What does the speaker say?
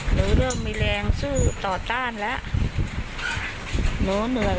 หนูเริ่มมีแรงซื้อต่อต้านแล้ว